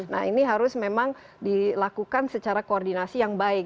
nah ini harus memang dilakukan secara koordinasi yang baik